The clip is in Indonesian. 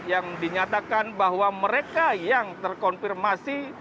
yang dinyatakan bahwa mereka yang terkonfirmasi